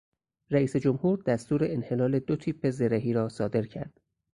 رییس جمهور دستور انحلال دو تیپ زرهی را صادر کرد.